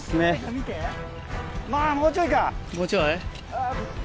もうちょい？